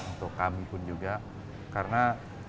untuk kami pun juga karena